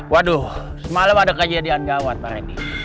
waduh semalam ada kejadian gawat pak reni